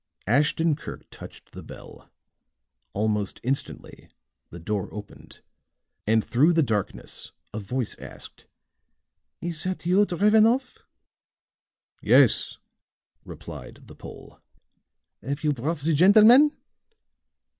Ashton Kirk touched the bell; almost instantly the door opened and through the darkness a voice asked: "Is that you, Drevenoff?" "Yes," replied the Pole. "Have you brought the gentleman?"